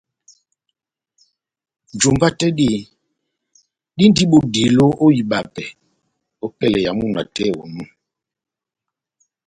Jumba tɛ́h dí dindi bodilo ó ibapɛ ópɛlɛ ya múna tɛ́h onu